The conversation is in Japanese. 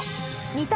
２択。